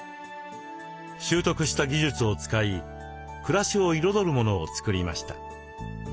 習得した技術を使い暮らしを彩るものを作りました。